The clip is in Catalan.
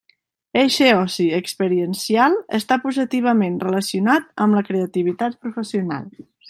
Eixe oci experiencial està positivament relacionat amb la creativitat professional.